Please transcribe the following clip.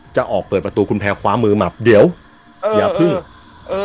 จะออกเปิดประตูคุณแพรคว้ามือมาเดี๋ยวอย่าพึ่งเออ